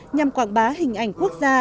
nhằm quảng bá hình ảnh quốc gia